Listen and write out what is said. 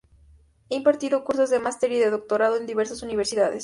Ha impartido cursos de master y de doctorado en diversas universidades.